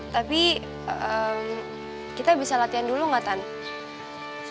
tapi kita bisa latihan dulu gak tan